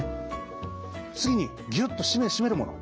次にギュッと締めるもの